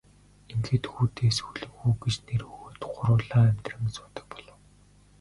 Ингээд хүүдээ Сүүлэн хүү гэж нэр өгөөд гурвуулаа амьдран суудаг болов.